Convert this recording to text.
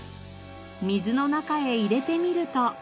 水の中へ入れてみると。